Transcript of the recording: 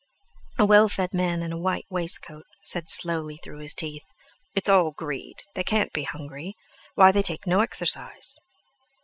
A well fed man in a white waistcoat said slowly through his teeth: "It's all greed; they can't be hungry. Why, they take no exercise."